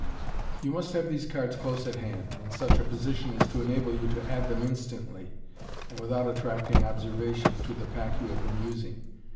You must have these cards close at hand, in such a position as to enable you to add them instantly, and without attracting observation, to the pack you have been using.